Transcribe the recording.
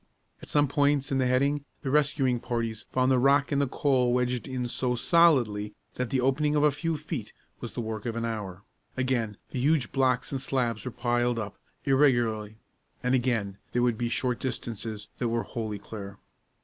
At some points in the heading, the rescuing parties found the rock and coal wedged in so solidly that the opening of a few feet was the work of an hour; again, the huge blocks and slabs were piled up, irregularly; and, again, there would be short distances that were wholly clear.